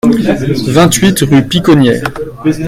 vingt-huit rue Piconnières